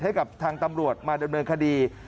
ให้กับทางตำรวจมาดำเนินคดี